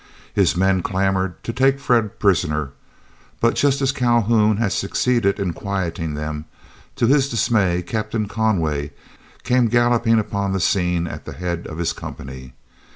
His men clamored to take Fred prisoner, but just as Calhoun had succeeded in quieting them, to his dismay Captain Conway came galloping upon the scene at the head of his company.